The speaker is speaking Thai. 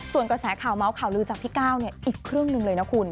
ส่วนกระแสข่าวเมาส์ข่าวลือจากพี่ก้าวเนี่ยอีกเครื่องหนึ่งเลยนะคุณ